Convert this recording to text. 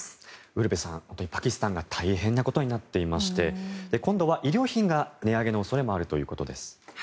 ウルヴェさんパキスタンが大変なことになっていまして衣料品が値上げにある可能性もあるということです。